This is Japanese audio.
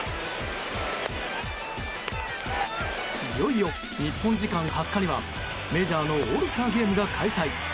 いよいよ日本時間２０日にはメジャーのオールスターゲームが開催。